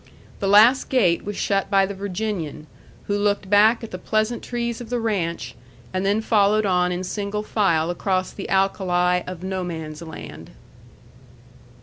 The last gate was shut by the Virginian, who looked back at the pleasant trees of the ranch, and then followed on in single file across the alkali of No Man's Land.